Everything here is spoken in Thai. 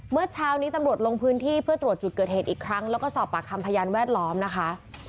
เมื่อเช้านี้ตำรวจลงพื้นที่เพื่อตรวจจุดเกิดเหตุอีกครั้งแล้วก็สอบปากคำพยานแวดล้อมนะคะ